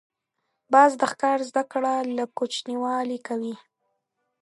باز د ښکار زده کړه له کوچنیوالي کوي